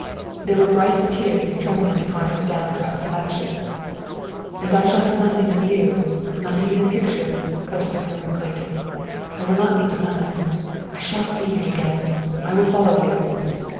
There were bright tears trembling upon her down dropped lashes. "And I shall have nothing of you! Not even a picture," hoarsely murmured Clayton. "I will not be denied. I shall see you again. I will follow you!"